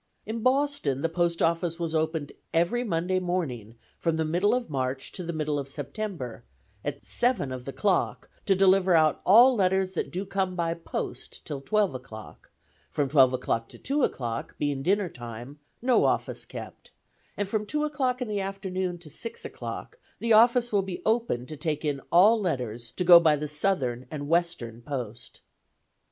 In Boston, the Post Office was opened every Monday morning from the middle of March to the middle of September, "at 7 of the clock, to deliver out all letters that do come by the post till twelve o'clock; from twelve to two o'clock, being dinner time, no office kept; and from two o'clock in the afternoon to six o'clock the office will be open to take in all letters to go by the Southern and Western post."